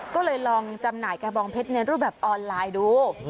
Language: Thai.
ก็เลยลองจำหน่ายกระบองเพชรในรูปแบบออนไลน์ดู